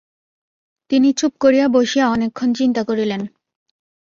তিনি চুপ করিয়া বসিয়া অনেকক্ষণ চিন্তা করিলেন।